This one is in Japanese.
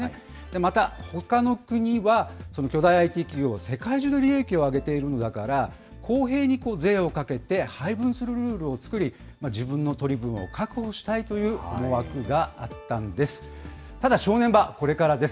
また、ほかの国は、巨大ＩＴ企業、世界中で利益を上げているのだから、公平に税をかけて、配分するルールを作り、自分の取り分を確保したいという思惑があったんです。